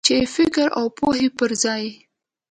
چې د فکر او پوهې پر ځای.